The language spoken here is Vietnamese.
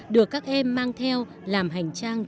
được các em mang theo làm hành trang trang